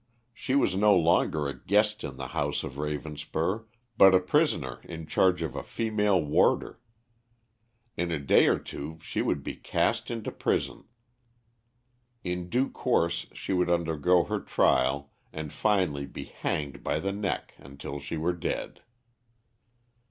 She was no longer a guest in the house of Ravenspur, but a prisoner in charge of a female warder. In a day or two she would be cast into prison. In due course she would undergo her trial and finally be hanged by the neck until she were dead.